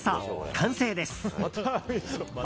完成です。